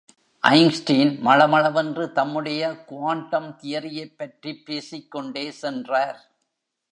Einstein மளமளவென்று தம்முடைய quantum தியரியைப் பற்றிப் பேசிக்கொண்டே சென்றார்.